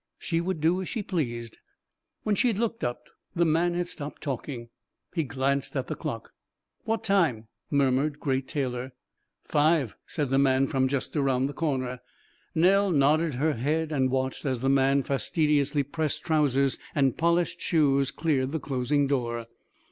She would do as she pleased.... When she looked up the man had stopped talking. He glanced at the clock. "What time?" murmured Great Taylor. "Five," said the man from just around the corner. Nell nodded her head and watched as the man's fastidiously pressed trousers and polished shoes cleared the closing door.